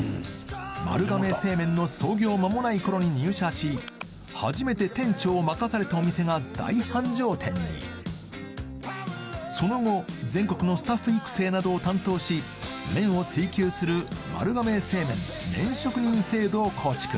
丸亀製麺の創業まもない頃に入社し初めて店長を任されたお店が大繁盛店にその後全国のスタッフ育成などを担当し麺を追求する丸亀製麺麺職人制度を構築